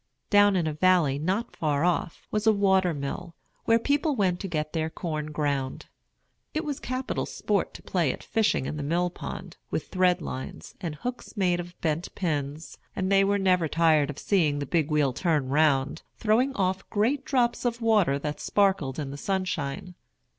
Down in a valley, not far off, was a water mill, where people went to get their corn ground. It was capital sport to play at fishing in the mill pond, with thread lines, and hooks made of bent pins; and they were never tired of seeing the big wheel turn round, throwing off great drops of water that sparkled in the sunshine.